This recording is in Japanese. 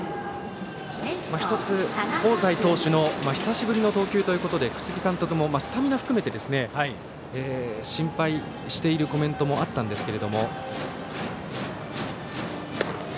１つ、香西投手の久しぶりの投球ということで楠城監督もスタミナを含めて心配しているコメントもあったんですが。